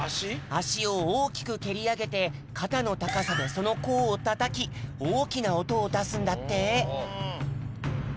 あしをおおきくけりあげてかたのたかさでそのこうをたたきおおきなおとをだすんだって。